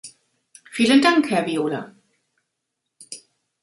Vielen Dank, Herr Viola.